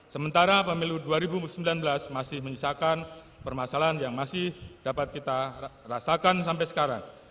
sementara pemilu dua ribu sembilan belas masih menyisakan permasalahan yang masih dapat kita rasakan sampai sekarang